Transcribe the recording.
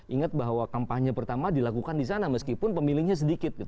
ingat bahwa kampanye pertama dilakukan di sana meskipun pemilihnya sedikit